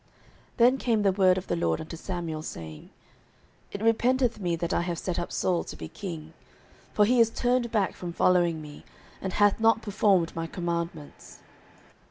09:015:010 Then came the word of the LORD unto Samuel, saying, 09:015:011 It repenteth me that I have set up Saul to be king: for he is turned back from following me, and hath not performed my commandments.